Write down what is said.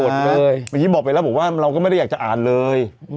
เมื่อกี้บอกแล้วเราก็ไม่ได้อาจอ่านเลย